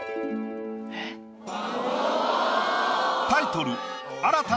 タイトル